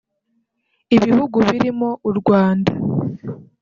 ibihugu birimo u Rwanda